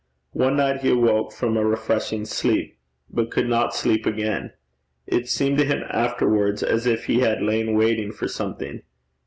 One night he awoke from a refreshing sleep, but could not sleep again. It seemed to him afterwards as if he had lain waiting for something.